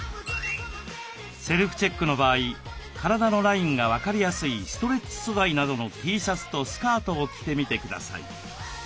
セルフチェックの場合体のラインが分かりやすいストレッチ素材などのＴシャツとスカートを着てみてください。